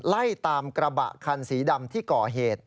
ไล่ตามกระบะคันสีดำที่ก่อเหตุ